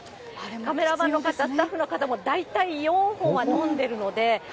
カメラマンの方、スタッフの方も大体４本は飲んでいるので。